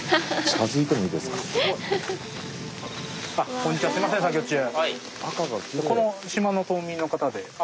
こんにちはすいません作業中。